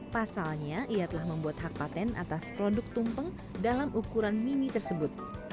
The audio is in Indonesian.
pasalnya ia telah membuat hak patent atas produk tumpeng dalam ukuran mini tersebut